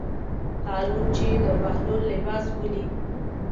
هارون چې د بهلول لباس ولید.